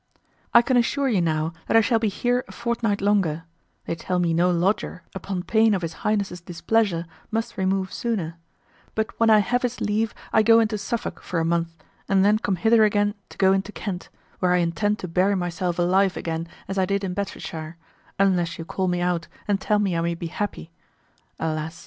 I can assure you now that I shall be here a fortnight longer (they tell me no lodger, upon pain of his Highness's displeasure, must remove sooner); but when I have his leave I go into Suffolk for a month, and then come hither again to go into Kent, where I intend to bury myself alive again as I did in Bedfordshire, unless you call me out and tell me I may be happy. Alas!